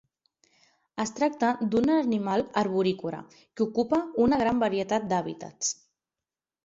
Es tracta d'un animal arborícola que ocupa una gran varietat d'hàbitats.